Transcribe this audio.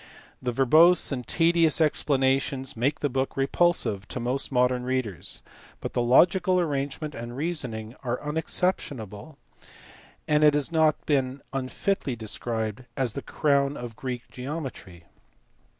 The verbose and tedious explanations make the book re pulsive to most modern readers ; but the logical arrangement and reasoning are unexceptionable, and it has been not unfitly described as the crown of Greek geometry.